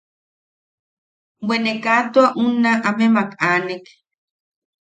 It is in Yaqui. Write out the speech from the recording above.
Bwe ne kaa tua unna amemak aanek.